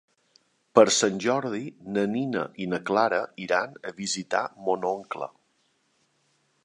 Per Sant Jordi na Nina i na Clara iran a visitar mon oncle.